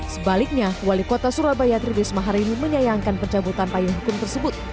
sebaliknya wali kota surabaya tririsma hari ini menyayangkan pencabutan payung hukum tersebut